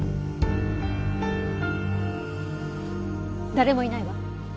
誰もいないわ。